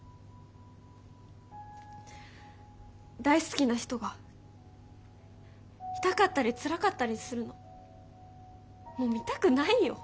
大好きな人が痛かったりつらかったりするのもう見たくないよ。